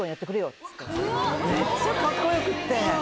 めっちゃカッコよくって。